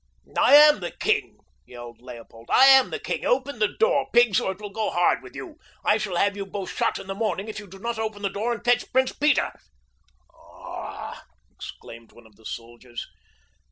"I am the king!" yelled Leopold. "I am the king! Open the door, pigs, or it will go hard with you! I shall have you both shot in the morning if you do not open the door and fetch Prince Peter." "Ah!" exclaimed one of the soldiers.